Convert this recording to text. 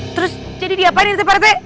terus jadi diapain ini sih parete